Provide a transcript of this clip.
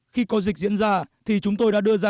khi có dịch diễn ra thì chúng tôi đã đưa ra